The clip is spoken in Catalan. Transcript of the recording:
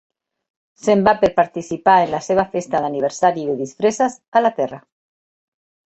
Se'n va per participar en la seva festa d'aniversari de disfresses a la Terra.